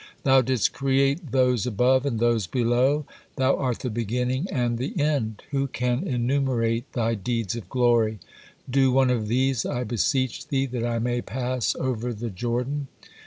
Thou didst create those above and those below, Thou art the beginning and the end. Who can enumerate Thy deeds of glory? Do one of these, I beseech Thee, that I may pass over the Jordan."